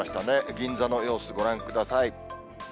銀座の様子、ご覧ください。